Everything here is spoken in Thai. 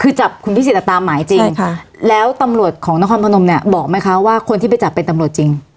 คือจับคุณพิสิทธิตามหมายจริงแล้วตำรวจของนครพนมเนี่ยบอกไหมคะว่าคนที่ไปจับเป็นตำรวจจริง